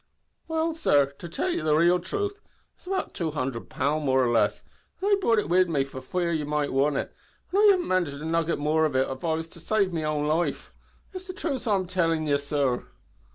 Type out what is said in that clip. "Well, sor, to tell you the raal truth, it's about tchwo hundred pound, more or less, and I brought it wid me, for fear you might want it, an' I haven't got a nugget more if it was to save me own life. It's the truth I'm tellin' ye, sor."